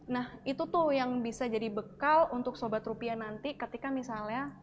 nah itu tuh yang bisa jadi bekal untuk sobat rupiah nanti ketika misalnya